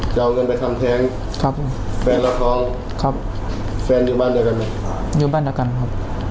จะเอาเงินไปทำแท้งครับผมแฟนรับรองครับแฟนอยู่บ้านเดียวกันไหมอยู่บ้านเดียวกันครับ